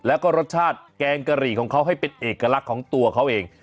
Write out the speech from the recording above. แล้วก็รสชาติแกงกะหรี่ของเขาให้เป็นเอกลักษณ์ของตัวเขาเอง